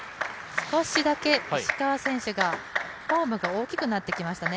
少しだけ石川選手が、フォームが大きくなってきましたね。